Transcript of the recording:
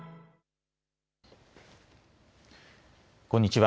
こんにちは。